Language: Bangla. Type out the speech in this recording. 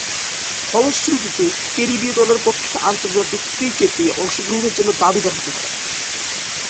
ফলশ্রুতিতে, ক্যারিবীয় দলের পক্ষে আন্তর্জাতিক ক্রিকেটে অংশগ্রহণের জন্যে দাবীদার হতে পারেননি।